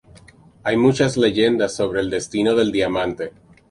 Hay muchas leyendas sobre el destino del diamante.